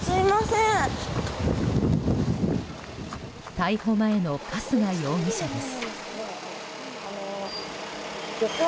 逮捕前の春日容疑者です。